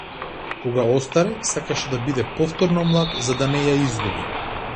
Кога остаре, сакаше да биде повторно млад за да не ја изгуби.